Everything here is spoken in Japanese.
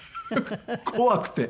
怖くて。